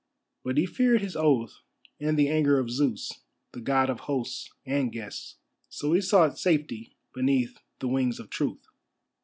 But he feared his oath, and the anger of Zeus, the God of hosts and guests. So he sought safety beneath the wings of truth.